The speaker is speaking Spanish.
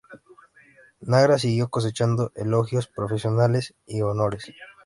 Nagra siguió cosechando elogios profesionales y honores.